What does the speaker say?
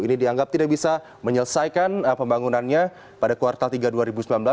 ini dianggap tidak bisa menyelesaikan pembangunannya pada kuartal tiga dua ribu sembilan belas